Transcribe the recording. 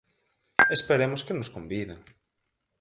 Esperemos que nos conviden.